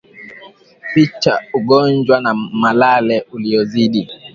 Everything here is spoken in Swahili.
Picha Ugonjwa wa malale uliozidi